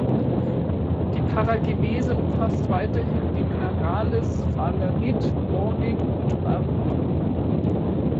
Die Paragenese umfasst weiterhin die Minerale Sphalerit, Bornit und Baryt.